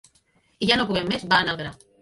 I, ja no poguent més, va anar al gra.